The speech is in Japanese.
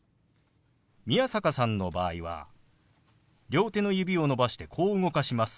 宮坂さんの場合は両手の指を伸ばしてこう動かします。